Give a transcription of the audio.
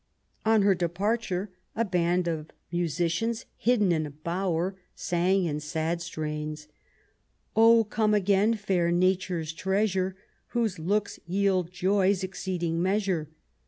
On her departure a band of musicians hidden in a bower sang in sad strains :— O come again, fair nature's treasure Whose looks yield joys exceeding measure.